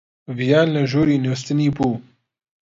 ڤیان لە ژووری نووستنی بوو.